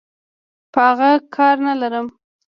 په اغه کار نلرم.